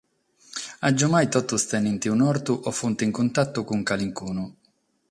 Agiumai totus tenent un'ortu o sunt in cuntatu cun calicunu.